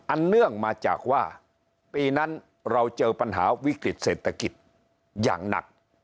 เนื่องมาจากว่าปีนั้นเราเจอปัญหาวิกฤติเศรษฐกิจอย่างหนัก